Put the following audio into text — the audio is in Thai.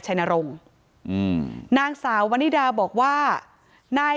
ทั้งครูก็มีค่าแรงรวมกันเดือนละประมาณ๗๐๐๐กว่าบาท